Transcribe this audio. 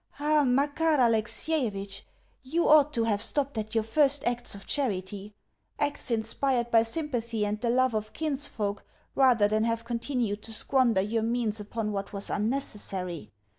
Ah, Makar Alexievitch! You ought to have stopped at your first acts of charity acts inspired by sympathy and the love of kinsfolk, rather than have continued to squander your means upon what was unnecessary.